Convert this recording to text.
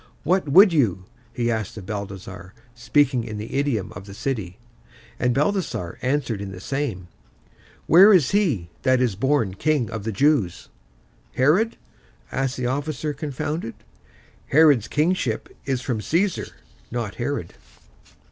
"What would you?" he asked of Balthasar, speaking in the idiom of the city. And Balthasar answered in the same, "Where is he that is born King of the Jews?" "Herod?" asked the officer, confounded. "Herod's kingship is from Caesar; not Herod."